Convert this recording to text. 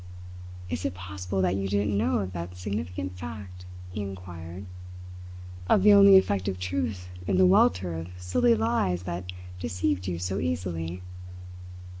"Is it possible that you didn't know of that significant fact?" he inquired. "Of the only effective truth in the welter of silly lies that deceived you so easily?"